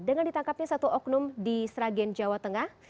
dengan ditangkapnya satu oknum di sragen jawa tengah